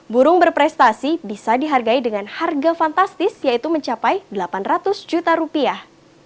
burung berprestasi bisa dihargai dengan harga fantastis yaitu mencapai delapan ratus juta rupiah